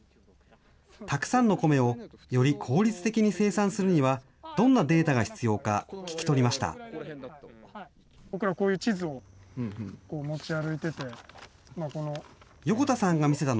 たくさんのコメをより効率的に生産するにはどんなデータが必要か聞き取りました。